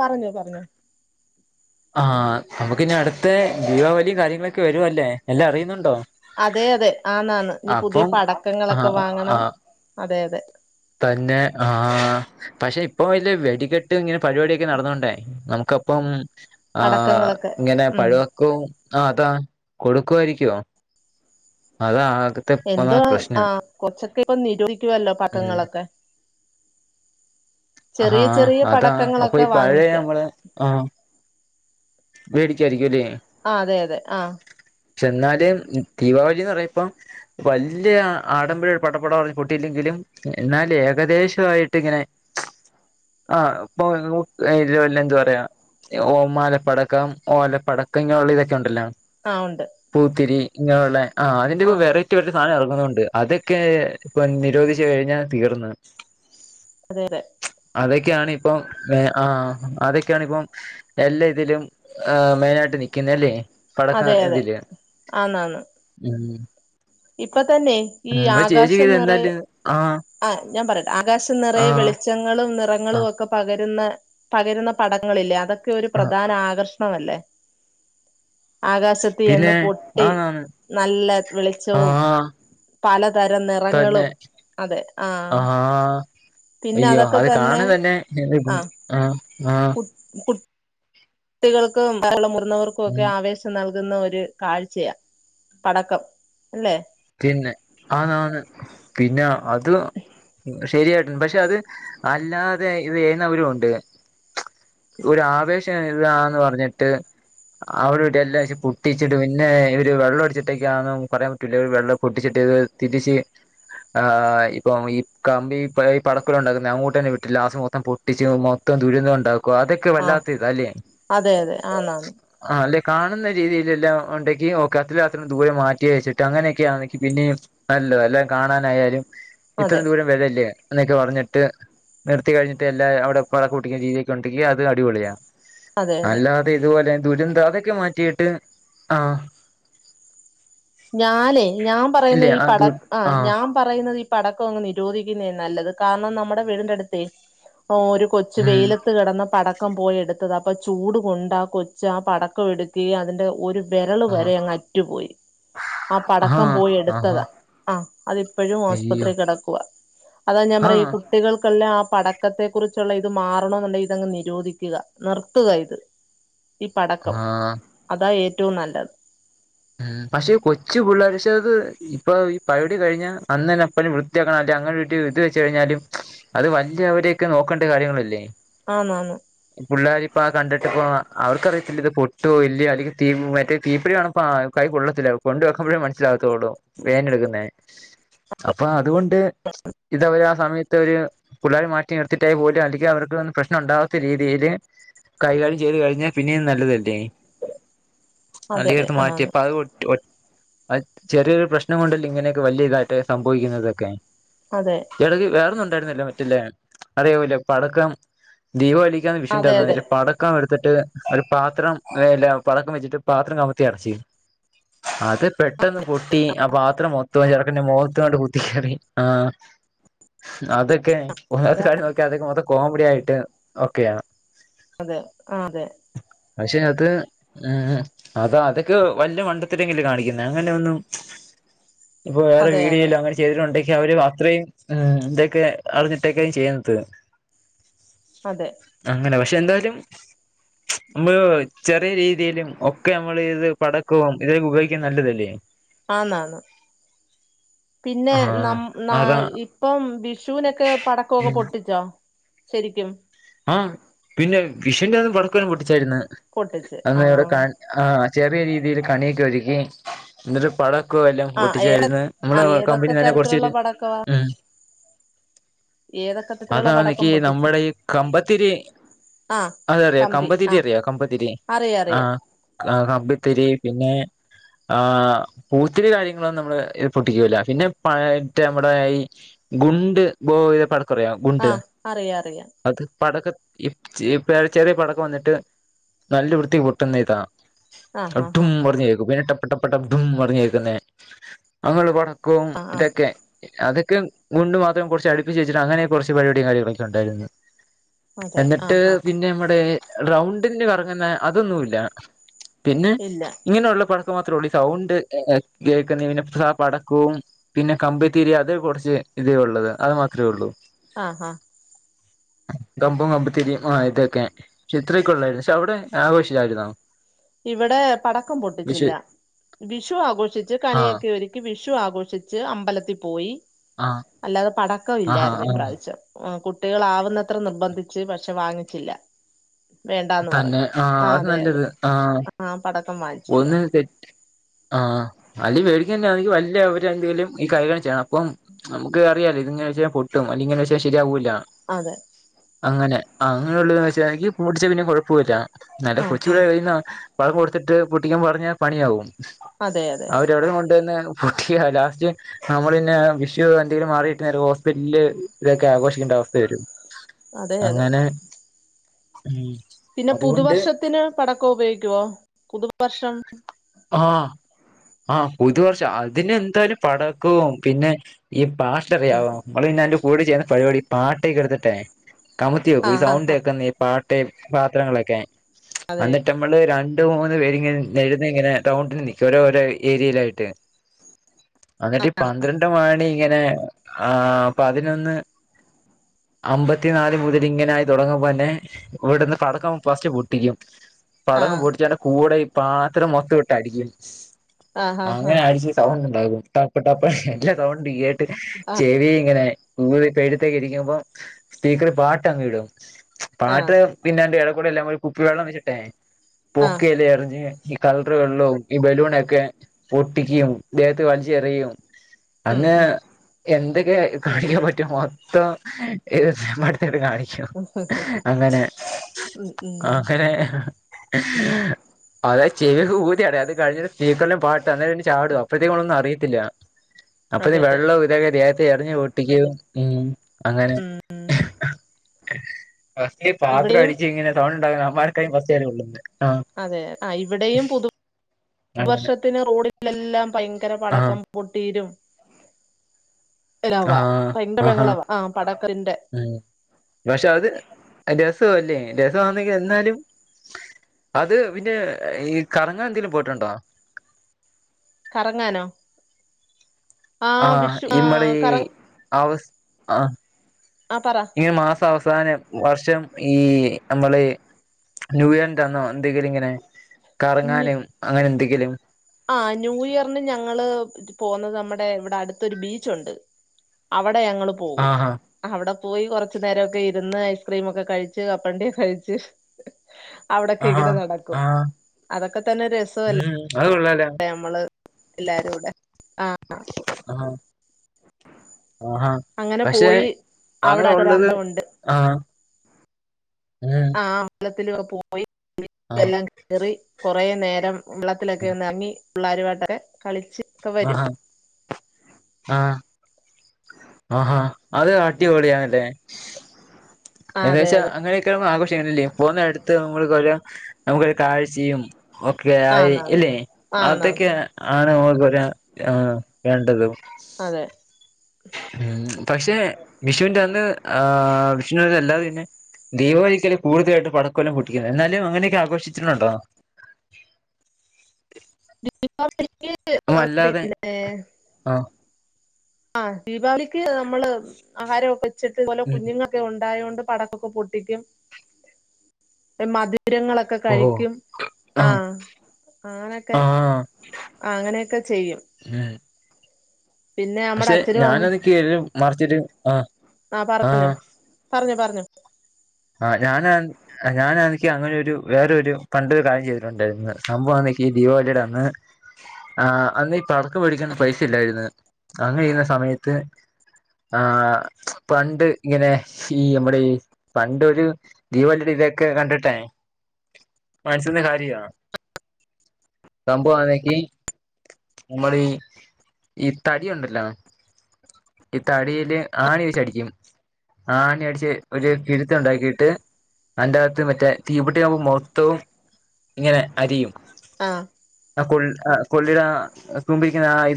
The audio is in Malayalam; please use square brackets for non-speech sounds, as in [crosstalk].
പറഞ്ഞോ പറഞ്ഞോ [inaudible] ആഹ് നമുക്ക്നി അടുത്ത ദീപാവലിയും കാര്യങ്ങളൊക്കെ വരു അല്ലേ എല്ലാം അറിയുന്നുണ്ടോ അതെ അതെ ആന്നാന്ന് ഇനി പുതിയ അപ്പം പടക്കങ്ങളൊക്കെ ആഹ് വാങ്ങണം ആഹ് അതെതെ തന്നെ ആഹ് പക്ഷെ ഇപ്പൊ വലിയ വെടികെട്ട് ഇങ്ങനെ പരിപാടിയൊക്കെ നടന്നൊണ്ടേ നമുക്കപ്പം ആ പടക്കങ്ങളൊക്കെ ഇങ്ങനെ ഉം പഴവക്കവും ആ അതാ കൊടുക്കുവായിരിക്കുവോ അതാ ആകെ എന്തോ ആ കൊച്ചൊക്കെ ഇപ്പൊ നിരോധിക്കുവല്ലോ ഉം പട്ക്കങ്ങളൊക്കെ ആഹ് ചെറിയ അതാ അപ്പൊ പടക്കങ്ങളൊക്കെ ഈ പഴയ വാങ്ങിക്കാം നമ്മള് ആ വേടിക്കായിരിക്കല്ലേ ആഹ് അതെ അതെ ആഹ് ചെന്നാല് ദീപാവലിന്ന് പറയുമ്പം വലിയ ആഡംബര പടപ്പട പട പൊട്ടിയിട്ടില്ലെങ്കിലും എന്നാൽ ഏകദേശ ആയിട്ട്ങ്ങനെ ആഹ് ഇപ്പൊ വല്ല എന്താ പറയാ ഓമാല പടക്കം ഓല പടക്കം ഇങ്ങനെുള്ള ഇതൊക്കെ ഉണ്ടല്ലോ ആ ഉണ്ട് പൂത്തിരി ഇങ്ങനെയുള്ള ആ അതിന്റെക്കെ വെറൈറ്റ- [unintelligible] സാധനം ഇറങ്ങുന്നുണ്ട് അതൊക്കെ ഇപ്പൊ നിരോധിച്ച് കഴിഞ്ഞാ തീർന്ന് അതെ അതെ അതൊക്കെയാണ് ഇപ്പം ആഹ് അതൊക്കെയാണ് ഇപ്പം എല്ലാ- ഇതിലും മെയിനായിട്ട് നിക്കുന്നല്ലേ പടക്കം അതെ അതെ ഇതില് ആന്നാന്ന് ഉം ഇപ്പൊ തന്നെ ഈ ഉം അപ്പ ചേച്ചിക്ക് ഇത് എന്തായാലും ആഹ് ആഹ ഞാന് പറയട്ടെ ആകാശം നിറയെ വെളിച്ചം ങ്ങളും നിറങ്ങളും ആഹ് ഒക്കെ പകരുന്ന പകരുന്ന പടങ്ങളില്ലേ അതൊക്കെ ഒരു ആഹ് പ്രധാന ആകർഷ ല്ലെ ആകാശത്ത് പിന്നെ കുത്തിന്ന് പൊട്ടി ആന്നാന്ന് നല്ല വെളിച്ചവും ആഹ് പലതരം തന്നെ നിറങ്ങളും അതെ ആഹ് പിന്നെ അയ്യോ അതൊക്കെ അത് കാണുന്ന തന്നെ ആഹ് ആ ആ കുട്ട് കുട്ട് ട്ടികൾക്ക് മുതിർന്നവർക്കും ഒക്കെ ഉം ആവിശ നൽകുന്ന ഒരു കാഴ്ചയ പടക്കം അല്ലേ? പിന്നെ ആണ് ആണ് പിന്നെ അത് ശരിയായിട്ട പക്ഷെ അത് അല്ലാതെ ഇയ്ന്നവരും ഉണ്ട് ഒരു ആവേശം ഇതാന്ന് പറഞ്ഞിട്ട് അവിടെ ഇവിടെ എല്ലാ പൊട്ടിച്ചിട്ട് പിന്നെവര് വെള്ളം അടിച്ചിട്ടേക്ക ആന്ന് പറയാ- രു വെള്ളം പൊട്ടിച്ചിട്ടത് തിരിച്ച് ആ ഇപ്പം ഈ കമ്പി ഈ പടക്കല ഉണ്ടാക്കുന്ന അങ്ങോട്ട്ന്നെ വിട്ടില്ല ലാസ്റ്റ് മൊത്തം പെ പൊട്ടിച്ചു മൊത്തം ദുരിതം ഉണ്ടാക്കുവ അതൊക്കെ ആഹ് വല്ലാത്ത ഇതാല്ലേ അതെ അതെ ആന്നാന്ന് ആ അല്ലെ കാണുന്ന രീതിയിലെല്ലാം ഉണ്ടെങ്കിൽ ഓക്കെ അത്ര രാത്രം ദൂരെ മാറ്റി വെച്ചിട്ട്- അങ്ങനെയൊക്കെയാക്ക് പിന്നെയും നല്ലോ എല്ലാം കാണാനായാലും അതെ ഇത്രയും ദൂരം വരല്ലേ. എന്നൊക്കെ പറഞ്ഞിട്ട് നിർത്തി കഴിഞ്ഞിട്ട് എല്ലാം അവിടെ പടക്കം പൊട്ടിക്കും [unintelligible] അത് അടിപൊളിയാ. അതെ അതെ അല്ലാതെ ഇതുപോലെ ദുരന്തം അതൊക്കെ മാറ്റിട്ട് ആഹ ഞാലേ ഞാൻ പറയുന്ന ഈ പട ആ ഞാൻ- പറയുന്നത് ഈ പടക്കം അങ്ങ് നിരോധിക്കുന്നത നല്ലത് കാരണം നമ്മുടെ വീടിന്റെ അടുത്തേ ഒരു കൊച്ച് വെയിലത്ത് കിടന്ന പടക്കം പോയി എടുത്ത് അപ്പൊ ചൂട് കൊണ്ടാ ആ കൊച്ച് ആ പടക്കമെടുത്തി അതിന്റെ ഒരു- വിരല് വരെ അങ്ങു അറ്റുപോയി. ആ പടക്കം പോയി എടുത്തതാ ആ അതിപ്പോഴും ആസുപത്രി കെടക്കുക അതാ ഞാൻ പറയ ഈ കുട്ടി കുട്ടികൾക്കല്ല ആ പടക്കത്തെ കുറിച്ചുള്ള ഇത് മാറണ എന്നുണ്ടെിൽ ഇതങ്ങ് നിരോധിക്കുക നിർത്തുക ഇത്. [inaudible] ഈ പടക്കം അതാ ഏറ്റവും നല്ലത്. ഉം പക്ഷേ കൊച്ചു പിള്ളര് ഇത് ഇപ്പൊ ഈ പഴുടി കഴിഞ്ഞ അന്നന്നെ പ്പഴും വൃത്തിയാക്കണം അല്ല അങ്ങനെ ഒരു ഇത് വെച്ച് കഴിഞ്ഞാലും അത് വല്യ അവരെയൊക്കെ നോക്കേണ്ട കാര്യങ്ങളല്ലേ? ആന്ന് ആന്ന് പുള്ളേരിപ്പ അത് കണ്ടിട്ട ഇപ്പ അവർക്കറിയത്തില്ല ഇത് പൊട്ടുവോ? ഇല്ല്യോ? അല്ലെങ്കിൽ തീ മറ്റേ തീപ്പിടി കാണും. ആഹ് കൈ കൊള്ളത്തില്ല. കൊണ്ട് വെക്കുമ്പഴേ മനസ്സിലാകത്തുള്ളൂ വേന എടുക്കുന്നേ. അപ്പോ അതുകൊണ്ട് ത് ഇതവരാ സമയത്ത് ഒര് പുള്ളേരെ മാറ്റി നിർത്തിട്ടായി പോലും അധികം അവർക്ക് പ്രശ്നം ഉണ്ടാവാത്ത രീതിയില് കൈകാര്യം ചെയ്ത് കഴിഞ്ഞാ പിന്നെയും നല്ലതല്ലേ? അതെ അല്ലെങ്കി അതെ എടുത്ത് മാറ്റ് ആന്നാന്ന് അത് ഒറ്റ് ഒറ്റ് അത് ചെറിയൊരു പ്രശ്നം കൊണ്ടല്ലേ ഇങ്ങനെയൊക്കെ വല്യതായിട്ട് ഒക്കെ സംഭവിക്കുന്നതൊക്കെ? അതെ ചടങ്ങ് വേറൊന്നും ഉണ്ടായിരുന്നല്ല മറ്റല്ലേ? അതേപോലെ പടക്കം, ദീപാവലി വിഷുന്റെ അതെ അന്ന് അതെ ആയിലെ പടക് ക്കം എടുത്തിട്ട് ഒരു പാത്രം മേലെ പടക്കം വെച്ചിട്ട് പാത്രം കവത്തി അടച്ചി അത് പെട്ടെന്ന് പൊട്ടി ആ പാത്രം മൊത്തം ആ ചെർക്കന്റെ മൊഖത്ത് അങ്ങ്ട് കുത്തി കേറി. ആഹ് അതൊക്കെ വേറെ ഒര് അതാ സൈഡിന്നു നോക്കിയാ അതൊക്കെ മൊത്തം കോമഡി ആയിട്ട് ഒക്കെയാണ്. അതെ ആഹ് അതെ പക്ഷേ അയ്നകത്തത് ഏഹ് അതാ അതൊക്കെ വല്യ മണ്ടത്തരങ്ങല്ലേ കാണിക്കുന്നേ? അങ്ങനെ ഒന്നും ഇപ്പ വേറെ അതെ വീഡിയോ അതെ ഇല്ല അങ്ങനെ ചെയ്തിട്ടൊണ്ടെങ്കി അവര് അത്രയും ഏഹ് ഇതൊക്കെ അറിഞ്ഞിട്ടേക്കെയും ചെയ്യന്നത് അതെ അങ്ങനെ പക്ഷെ എന്തായാലും നമ്മള് ചെറിയ രീതിയിലും ഒക്കെമ്മൾ ഇത് പടക്കവും ഇതൊക്കെ ഉപയോഗിക്കുന്നത് നല്ലതല്ലേ ആന്നാ ആന്ന് പിന്നെ ആഹ് നം ന അതാ ഇപ്പം വിഷുനൊക്കെ പടക്കമൊക്കെ പൊട്ടിച്ചോ? ശരിക്കും ആം പിന്നെ വിഷുന്റെ അന്ന് പടക്കവും പൊട്ടിച്ചായിര്ന്ന്. പൊട്ടിച്ച് അന്ന് ഇവിടെ ആഹ് കാ ആഹ് ചെറിയ രീതിയില് കണിയൊക്കെ ഒരുക്കി എന്നിട്ട് പട ക്കോം എല്ലാം ആഹ് ഏത പൊട്ടിച്ചാര്ന്ന്. നമ്മുടെ ആഹ് കമ്പനി ഏതൊക്കെ തന്നെ തരത്തിലുള്ള കുറച്ചപേര് പടക്കവാ ഉം ഏതൊക്കെ തരത്തിലുള്ള പടക്കം അതാന്നെകി പൊട്ടിച്ച് നമ്മടെ ഈ കമ്പത്തിരി ആഹ് അതറിയോ? കമ്പി കമ്പത്തിരി ആഹ് അറിയോ കമ്പത്തിരി? അറിയാം അറിയാം ആഹ് ആഹ് കമ്പിത്തിരി പിന്നെ ആഹ് പൂത്തിരി കാര്യങ്ങളൊന്നും നമ്മള് ഈ പൊട്ടിക്കുല്ല. പിന്നെ പഴ മറ്റേ നമ്മടെ ഈ ഗുണ്ട് ബോ ഇത പടക്കറിയാമോ? ഗുണ്ട് അറിയാ അറിയാ അത് പടക്ക ഈ ഇപ്പ ചെറ്യ പടക്ക വന്നിട്ട് നല്ല വൃത്തിക്ക് പൊട്ടുന്ന ഇതാ ആഹ് ആഹ് ട്ടടും ആഹ് പറഞ്ഞു കേക്കും. പിന്നെ ടപ്പ ടപ്പ ടപ്പ്ടും പറിഞ്ഞു കേക്കുന്നേ അങ്ങുള്ള പടക്കവും ആഹ് ആഹ് ഇതൊക്കെ അതൊക്കെ ഗുണ്ട് മാത്രം കൊറച്ച് അടുപ്പിച്ച് വച്ചിട്ട് അങ്ങനെ കൊറച്ച് പരിപാടിയും കാര്യങ്ങളൊക്കെ ഉണ്ടായിരുന്നു. അതെ എന്നിട്ട് ആഹ് ആഹ് പിന്നെ നമ്മടെ റൗണ്ടില്ല് കറങ്ങുന്ന അതൊന്നുമില്ല പിന്നെ ഇല്ല ഇങ്ങനെയുള്ള പടക്കം മാത്രേ ഉള്ളൂ. സൗണ്ട് ഏഹ് കേക്കുന്ന പിന്നെ ഹാ പടക്കവും പിന്നെ കമ്പിത്തീരി അത് കൊടച്ച് ഇതേ ഉള്ളത്. അത് മാത്രമേ ഉള്ളൂ ആഹ് ആഹ കമ്പും കമ്പുത്തിരിയും ആ ഇതൊക്കെ. പക്ഷേ ഇത്രൊക്ക ഉള്ളായിരുന്നു. പക്ഷേ അവിടെ ആഘോഷിച്ചായിരുന്നോ? ഇവടെ പടക്കം വിഷു പൊട്ടിച്ചില്ല. വിഷു ആഘോഷിച്ച് ആ കണിയൊക്കെ ഒരു ക്കി വിഷു ആഘോഷിച്ച് അമ്പലത്തി പോയി ആഹ് അല്ലാതെ പടക്കം ഇല്ലായിരുന്നു ഈ പ്രാവശ്യം ഓഹ് കുട്ടികൾ ആവുന്നത്ര നിർബന്ധിച്ച് പക്ഷേ വാങ്ങിച്ചില്ല വേണ്ടാന്ന് തന്നെ പറഞ്ഞു ആഹ് ആ അത് അതെ അതെ നല്ലത് ആഹ് ആ പടക്കം വാങ്ങിച്ചില്ല ഒന്ന് തെറ്റ് ആഹ് അല്ലേ പേടിക്കാന്നയ്യോ വെല്ല്യ അവര് രണ്ട് പേരും ഈ കയികാണിച്ച അപ്പം. നമക്കറിയാല്ലോ ഇത്ങ്ങനെ വെച്ച് കഴിഞ്ഞ പൊട്ടും അല്ലിങ്ങനെച്ചാ ശരിയാവൂല. അതെ. അങ്ങനെ അങ്ങനൊള്ളത് [unintelligible] പൊട്ടിച്ച പിന്നെ കൊഴപ്പോല്ല. നല്ല ആ കൊച്ചു ആ [unintelligible] പഴം കൊടുത്തിട്ട് പൊട്ടിക്കാൻ പറഞ്ഞാൽ പണിയാവും. അതെ അതെ അതെ [unintelligible] കൊണ്ടന്ന് പൊട്ടിയ ലാസ്റ്റ് നമ്മളപിന്നെ വിഷു [unintelligible] മാറീട്ട് നേരെ ഹോസ്പിറ്റ്ല് ഇതക്കെ ആഘോഷിക്കേണ്ട അവസ്ഥരും. അതെ അതെ. ഉം പിന്നെ അതുകൊണ്ട് പുതുവർഷത്തിന് പടക്കം ഉപയോഗിക്കുവോ പുതുവർഷം ആഹ് ആഹ് പുതുവർഷം അതിനെന്താലും പടക്കോം പിന്നെ ഈ പാ ട്ടറിയാവോ നമ്മള് പിന്നെയ്ന്റെ കൂടെ ചെയ്യുന്ന പരിപാടി പാട്ടെഴുതണതത്തെ കമത്തിയൊ ആ ഒര് ആ ആ സൗണ്ടേക്കാന്നെ പാട്ടേ പാത്രങ്ങളക്കെ അതെ അന്നിട്ടമ്മള് രണ്ടു മൂന്ന് പേരിങ്ങനെ നെരന്നിങ്ങനെ റൗണ്ടില് നിക്കും ഓരോരോ ഏരിയേലായിട്ട് അന്നട്ടീ പന്ത്രണ്ട് ട്ടമാണിങ്ങനെ ആഹ് അപ്പതിനൊന്ന് അമ്പത്തി നാല് മുതലിങ്ങനെയാത് തൊടങ്ങുമ്പന്നെ ഇവടന്ന് പടക്കം ഫസ്റ്റ് പൊട്ടിക്കും. ആ പടക്കം പൊട്ടിച്ചയ്ന്റെ കൂടെ ഈ പാത്രം മൊത്തവിട്ടടിക്കും ആ ആ ആ അങ്ങനെ അടിച്ച് സൗണ്ട്ണ്ടാക്കും ട്ടപ്പ്ട്ടപ്പെ എല്ലാ സൗണ്ട് കേട്ട് ചെവിങ്ങനെ [unintelligible] ത്തേക്കിരിക്കുമ്പം സ്പീക്കറ് പാട്ടങ്ങിടും ആ പാട്ട് പിന്നന്റെ എടെകൂടെ എല്ലാം കൂടി കുപ്പി വെള്ളം വെച്ചിട്ടെ ആ പൊക്കിയല്ലേറിഞ്ഞ് ഈ ക ർ വെള്ളോം ഈ ബലൂണക്കെ പൊട്ടിക്കും ദേഹത്ത് വലിച്ചെറിയും ഉം അന്ന് ഉം എന്തക്കെ കാണിക്കാൻ പറ്റുമോ അത്രോം [unintelligible] കാണിക്കും. ശൊ അങ്ങനെ ഉം ഉം ആങ്ങനെ അതാ ചെവി ഊരിറിയാ അത് കഴിഞ്ഞിട്ട് സ്പീക്കർല് പാട്ടന്നേരന്ന് ചാടാ അപ്പെഴ്ത്തേക്കുമ്മളൊന്നു അറിയത്തില്ല. അപ്പഴ്ത്തെ അതെ വെള്ളോ ഇതക്കെ ദേഹത്ത് എറിഞ്ഞ് പൊട്ടിക്ക ഉം അങ്ങനെ ഫസ്റ്റ് ഇവിടെയും പാത്രടിച്ച് ങ്ങനെ സൗണ്ട്ണ്ടാക്കണേ അവമ്മാരക്കെ ഫസ്റ്റ് [unintelligible] ഉള്ളുന്നാലും ആഹ് അതെ ആഹ് ഇവിടെയും പുതു അങ്ങനെ വർഷത്തിന് റോഡിലെല്ലാം ഭയങ്കര ആഹ് പടക്കം പൊട്ടീരും ലാവ ആഹ് ഭയങ്കര ആഹാ ബഹളവ ആഹ് പടക്കയ്ന്റെ പക്ഷെ അത് രസവല്ലേ രസാവാന്നെന്നാ ന്നാലും അത് പിന്നെ ഈ കറങ്ങാന്തെലും പോയിട്ടുണ്ടോ കറങ്ങാനോ ആഹ് വിഷു ഇമ്മളീ ആഹ് കറ അവസ് ആഹ് ആഹ് പറ. ഈ മാസവസാനം വർഷം ഈ നമ്മള് ന്യൂയറിന്റന്നോ എന്തെങ്കിലുങ്ങനെ കറങ്ങാനും അങ്ങനെന്തെങ്കിലും ആഹ് ന്യൂയറിന് ഞങ്ങള് പോന്നത് നമ്മടെ ഇവിടെ അടുത്തൊരു ബീച്ചൊണ്ട്. അവടെ ഞങ്ങള് പോവും. ആഹാ അവടെ പോയി കൊറച്ചു നേരക്കെ ഇരുന്ന് ഐസ്ക്രീമൊക്കെ കഴിച്ച് കപ്പൽണ്ടിയക്കെ കഴിച്ച് അവടക്കെ ആഹാ ഇങ്ങനെ നടക്കും ആഹ് അതക്കതന്നെ രസവല്ലേ. ഉം അത് കൊള്ളാലോ. യമ്മള് എല്ലാരുവടെ ആഹ് ആഹ് അങ്ങനെ പക്ഷെ പോയി അവിടെ അങ്ങനൊള്ളത് ഒരമ്പലമുണ്ട് ആഹ് ഉം ആഹ് അമ്പലത്തില് പോയി ആഹ് എല്ലാം കേറി കൊറേ നേരം കുളത്തിലൊക്കെ ഒന്ന് എറങ്ങി പിള്ളാരായിട്ടൊക്കെ കളിച്ച് ഒക്കെ വരും ആഹ് ആഹ് ആഹാ അത് അടിപൊളിയാണല്ലേ ആഹ് അതെ ഏദാച്ച അതെ അങ്ങനെ ആഘോഷല്ലേ പോകുന്നടുത്ത് നമ്മള് പോല്ല നമുക്കൊരു കാഴ്ചയും ഓക്കെ ആയി ആന്നാന്ന് ഇല്ലേ അതൊക്കെ ആന്നാന്ന് ആണ് [unintelligible] ആഹ് വേണ്ടത് അതെ. ഉം പഷെ വിഷുന്റന്ന് ആഹ് വിഷുവിന്റന്ന് എല്ലാരും പിന്നെ ദീപവലിക്കല കൂടുതലായിട്ട് പടക്കെല്ലം പൊട്ടിക്കുന്നത് എന്നാലും അങ്ങനെയൊക്കെ ആഘോഷിച്ചിട്ടുണ്ടോ ദീപാവലിക്ക് ആഹ് അല്ലാതെ പിന്നെ ആഹ് ആഹ് ദീപാവലിക്ക് നമ്മള് ആഹാരംഒ ക്കെ വെച്ചിട്ട് ഇതുപോലെ ഉം കുഞ്ഞുങ്ങള് ഒക്കെ ഉണ്ടായോ ണ്ട് പടക്കൊക്കെ പൊട്ടിക്കും മധുരങ്ങളൊക്കെ ഓഹ് കഴിക്കും ആഹ് അങ്ങനെയൊക്കെ ആഹ് അങ്ങനെയൊക്കെ ചെയ്യും ഉം പിന്നെ നമ്മടെ പക്ഷെ അച്ഛനും അമ്മ ഞാനത് മറിച്ചിട്ട് ആ ആഹ് ആ പറഞ്ഞൊ പറഞ്ഞോ പറഞ്ഞോ ആഹ് ഞാന് ഞാനാണങ്കി അങ്ങനെ ഒരു വേറെ ഒരു കണ്ടൊരു കാര്യം ചെയ്തിട്ടുണ്ടായിരുന്നു സംഭവമാ അന്നക്ക്ഈ ദീപാവലിയുടെ അന്ന് ആഹ് അന്ന് ഈ പടക്കം മേടിക്കൻ പൈസ ഇല്ലായിരുന്നു അങ്ങനെ ഇരുന്ന സമയത്ത് ആഹ് പണ്ട് ഇങ്ങനെ ഈ നമ്മുടെ ഈ പണ്ട് ഒരു തീപ്പടിടെ ഇതൊക്കെ കണ്ടിട്ട് മനസിന്റെ കാര്യാ സംഭവ ആക്കി നമ്മളീ ഈ തടി ഉണ്ടല്ലോ ഈ തടിയില് ആണി വെച്ച് അടിക്കും ആണി അടിച്ച് ഒരു കിഴത്ത് ഉണ്ടാക്കിയിട്ട് അതിന്റെ അകത്ത് മറ്റേ തീപ്പട്ടിയാകുമ്പോ മൊത്തവും ഇങ്ങനെ അരിയും ആഹ് ആഹ് കൊള്ളി കൊള്ളിടെ തുമ്പിരിക്കുന്ന ആഹ്